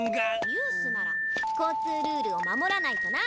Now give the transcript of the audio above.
ユースなら交通ルールを守らないとな。